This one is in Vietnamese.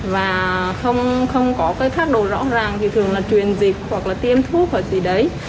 và không có cái thác đồ rõ ràng thì thường là truyền dịch hoặc là tiêm thuốc vào gì đấy